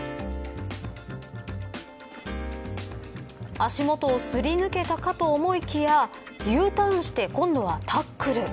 足元をすり抜けたかと思いきやＵターンして今度はタックル。